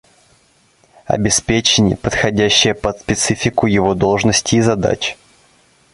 Обеспечение, подходящее под специфику его должности и задач